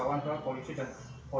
mungkin dia takut